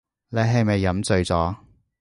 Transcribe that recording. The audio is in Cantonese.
你係咪飲醉咗